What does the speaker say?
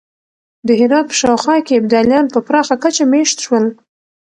د هرات په شاوخوا کې ابدالیان په پراخه کچه مېشت شول.